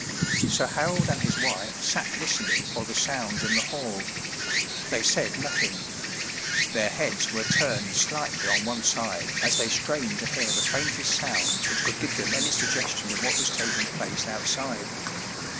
Sir Harold and his wife sat listening for the sounds in the hall. They said nothing. Their heads were turned slightly on one side as they strained to hear the faintest sound which could give them any suggestion of what was taking place outside.